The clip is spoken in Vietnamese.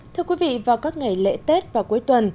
thưa quý vị vào các ngày lễ tết và cuối tuần